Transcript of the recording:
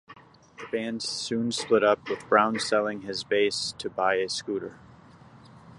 The band soon split up, with Brown selling his bass to buy a scooter.